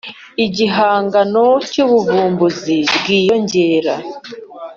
Igihangano cy ubuvumbuzi bw inyongera